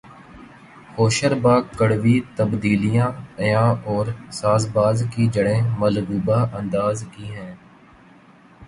ہوشربا کڑوی تبدیلیاں عیاں اور سازباز کی جڑیں ملغوبہ انداز کی ہیں